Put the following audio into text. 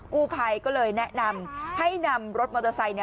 กู้ภัยก็เลยแนะนำให้นำรถมอเตอร์ไซค์